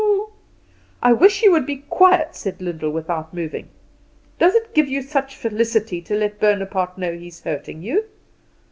"I wish you would be quiet," said Lyndall without moving. "Does it give you such felicity to let Bonaparte know he is hurting you?